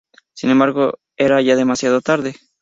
Sin embargo, era ya demasiado tarde.